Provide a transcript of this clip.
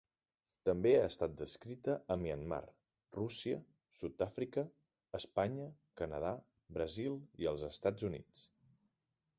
També ha estat descrita a Myanmar, Rússia, Sud-àfrica, Espanya, Canadà, Brasil i els Estats Units.